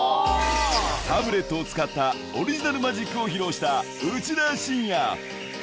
タブレットを使ったオリジナルマジックを披露したそのこちら！